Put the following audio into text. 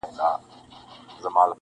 ژوند د ازموينو لړۍ ده،